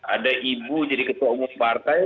ada ibu jadi ketua umum partai